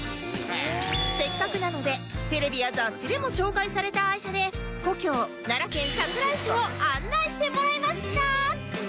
せっかくなのでテレビや雑誌でも紹介された愛車で故郷奈良県桜井市を案内してもらいました